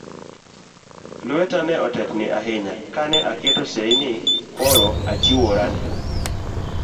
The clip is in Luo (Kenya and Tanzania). Lweta ne otetni ahinya ka ne aketo seyi ni koro achiwora ne